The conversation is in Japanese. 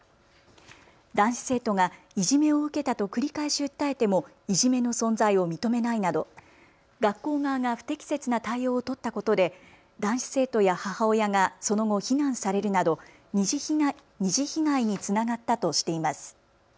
男子生徒がいじめを受けたと繰り返し訴えてもいじめの存在を認めないなど学校側が不適切な対応を取ったことで男子生徒や母親がその後、非難されるなど２次被害につながったとしています。